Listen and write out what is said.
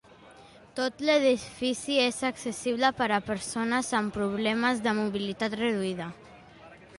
Tot l'edifici és accessible per a persones amb problemes de mobilitat reduïda.